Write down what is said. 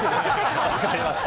分かりました。